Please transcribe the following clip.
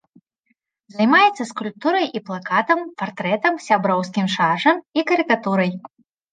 Займаецца скульптурай і плакатам, партрэтам, сяброўскім шаржам і карыкатурай.